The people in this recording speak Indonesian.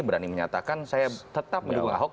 berani menyatakan saya tetap mendukung ahok